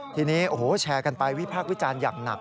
ทีนี้โอ้โหแชร์กันไปวิพากษ์วิจารณ์อย่างหนัก